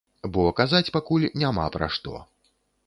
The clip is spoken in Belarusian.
Бо казаць пакуль няма пра што.